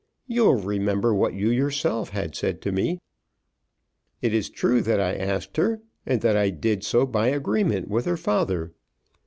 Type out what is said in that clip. You will remember what you yourself had said to me. It is true that I asked her, and that I did so by agreement with her father.